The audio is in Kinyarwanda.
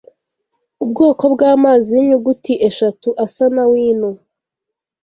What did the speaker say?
ubwoko bwamazi yinyuguti eshatu asa na wino